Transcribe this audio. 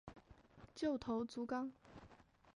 旧头足纲